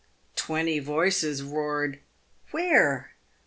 Twenty voices roared, "Where?